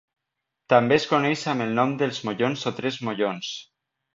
També es coneix amb el nom dels mollons, o Tres Mollons.